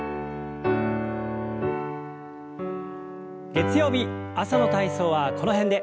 月曜日朝の体操はこの辺で。